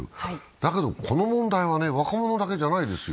だけど、この問題は若者だけじゃないですよ。